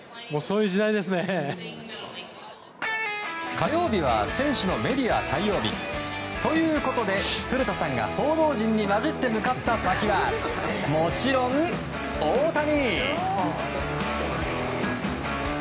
火曜日は選手のメディア対応日。ということで古田さんが報道陣に交じって向かった先はもちろん大谷。